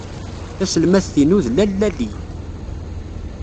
Taselmadt-inu d lalla Li.